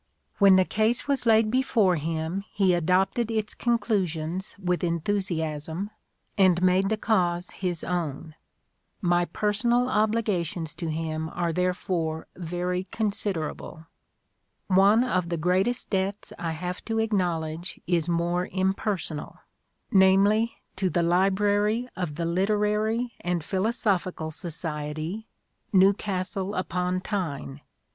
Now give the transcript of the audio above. When the case was laid before him he adopted its con 6 PREFACE elusions with enthusiasm and made the cause his own. My personal obligations to him are therefore very considerable. One of the greatest debts I have to acknowledge is more impersonal : namely, to the Library of the Literary and Philosophical Society, Newcastle upon Tyne.